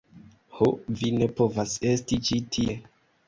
Ho, vi ne povas esti ĉi tie